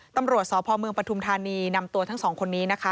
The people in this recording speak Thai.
ตำรวจสพปฐุมธานีนำตัวทั้ง๒คนนี้นะคะ